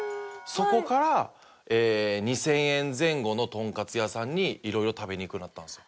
そこから２０００円前後のトンカツ屋さんに色々食べに行くようになったんですよ。